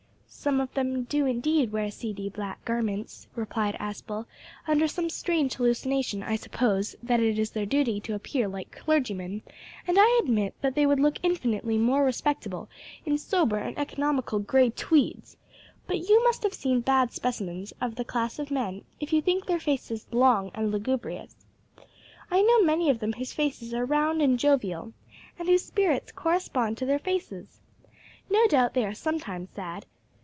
"Some of them do indeed wear seedy black garments," replied Aspel, "under some strange hallucination, I suppose, that it is their duty to appear like clergymen, and I admit that they would look infinitely more respectable in sober and economical grey tweeds; but you must have seen bad specimens of the class of men if you think their faces long and lugubrious. I know many of them whose faces are round and jovial, and whose spirits correspond to their faces. No doubt they are sometimes sad.